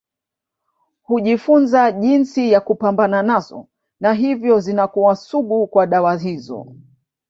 Hujifunza jinsi ya kupambana nazo na hivyo zinakuwa sugu kwa dawa hizo